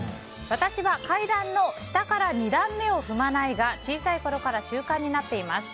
私は階段の下から２段目を踏まないが小さいころから習慣になっています。